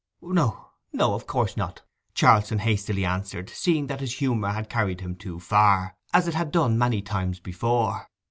'No, no—of course not,' Charlson hastily answered, seeing that his humour had carried him too far, as it had done many times before.